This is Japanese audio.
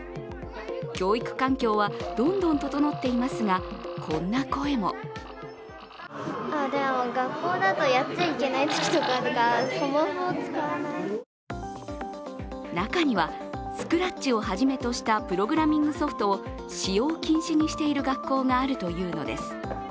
教育環境はどんどん整っていますが、こんな声も中には、スクラッチをはじめとしたプログラミングソフトを使用禁止にしている学校があるというのです。